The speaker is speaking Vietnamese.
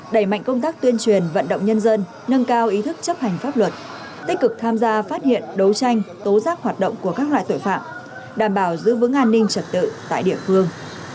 đẩy mạnh công tác tuyên truyền vận động nhân dân nâng cao ý thức chấp hành pháp luật tích cực tham gia phát hiện đấu tranh tố giác hoạt động của các loại tội phạm đảm bảo giữ vững an ninh trật tự tại địa phương